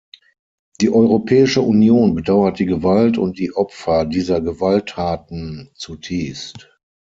Die Europäische Union bedauert die Gewalt und die Opfer dieser Gewalttaten zutiefst.